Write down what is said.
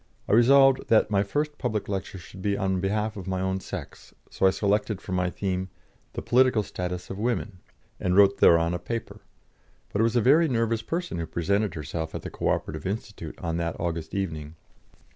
I resolved that my first public lecture should be on behalf of my own sex, so I selected for my theme, "The Political Status of Women," and wrote thereon a paper. But it was a very nervous person who presented herself at the Co operative Institute on that August evening.